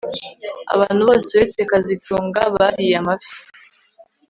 Abantu bose uretse kazitunga bariye amafi